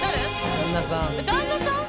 「旦那さん？